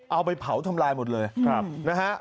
เอาไปเผาทำลายหมดเลยนะฮะ